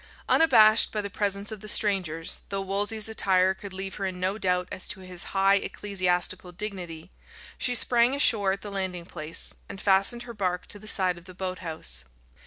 Unabashed by the presence of the strangers, though Wolsey's attire could leave her in no doubt as to his high ecclesiastical dignity, she sprang ashore at the landing place, and fastened her bark to the side of the boathouse.